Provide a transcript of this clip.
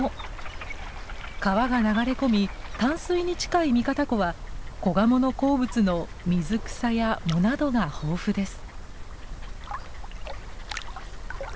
川が流れ込み淡水に近い三方湖はコガモの好物の水草や藻などが豊富です。